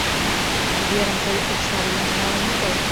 Верым тый окса денак налын отыл.